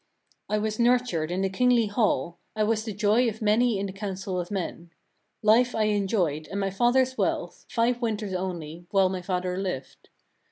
"I was nurtured in the kingly hall, I was the joy of many in the council of men. Life I enjoyed, and my father's wealth, five winters only, while my father lived.